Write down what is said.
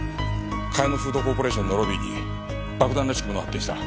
カヤノフードコーポレーションのロビーに爆弾らしきものを発見した。